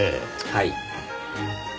はい。